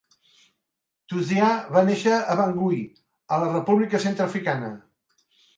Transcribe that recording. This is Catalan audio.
Tauziat va néixer a Bangui, a la República centreafricana.